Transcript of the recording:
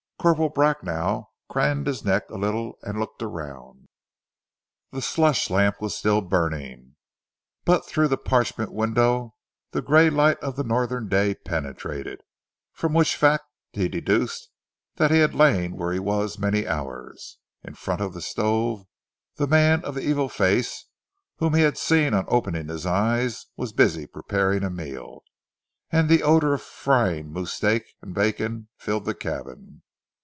Corporal Bracknell craned his neck a little and looked round. The slush lamp was still burning, but through the parchment window the grey light of the Northland day penetrated, from which fact he deduced that he had lain where he was many hours. In front of the stove, the man of the evil face, whom he had seen on opening his eyes, was busy preparing a meal, and the odour of frying moose steak and bacon filled the cabin.